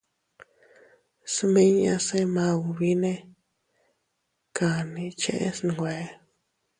Smiñase maubine kani cheʼe snwe.